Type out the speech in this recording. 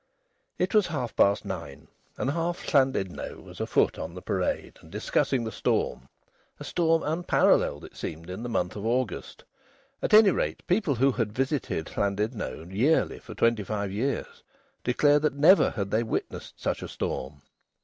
It was half past nine, and half Llandudno was afoot on the Parade and discussing the storm a storm unparalleled, it seemed, in the month of August. At any rate, people who had visited Llandudno yearly for twenty five years declared that never had they witnessed such a storm.